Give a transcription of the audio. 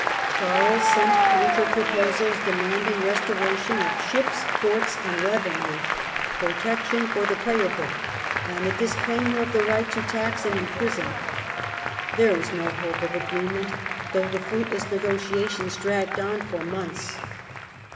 Charles sent counter proposals, demanding re storation of ships, forts, and revenue, protection for the 46 A DRAWN BATTLE. Prayer book, and a disclaimer of the right to tax and imprison. There was no hope of agreement, though the fruitless negotiations dragged on for months.